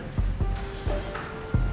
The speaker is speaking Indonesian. bu panti tadi udah minta